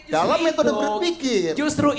dalam metode berpikir